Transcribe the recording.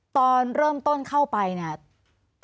ตอนเริ่มต้นเข้าไปเนี่ย